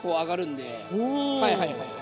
はいはいはいはい。